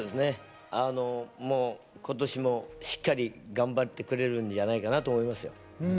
もう今年もしっかり頑張ってくれるんじゃないかなと思いますよ。